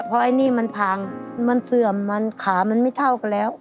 เพราะไอ้นี่มันพังมันเสื่อมมันขามันไม่เท่ากันแล้ว